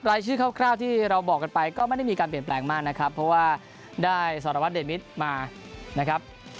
เพราะว่าได้สรวจเด็ดมิตรมา